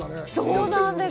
そうなんです。